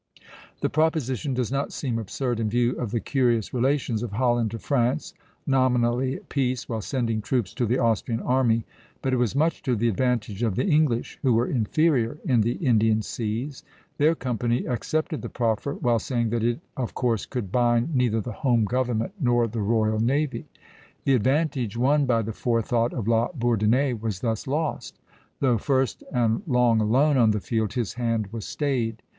The proposition does not seem absurd in view of the curious relations of Holland to France, nominally at peace while sending troops to the Austrian army; but it was much to the advantage of the English, who were inferior in the Indian seas. Their company accepted the proffer, while saying that it of course could bind neither the home government nor the royal navy. The advantage won by the forethought of La Bourdonnais was thus lost; though first, and long alone, on the field, his hand was stayed.